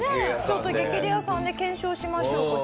ちょっと『激レアさん』で検証しましょうか。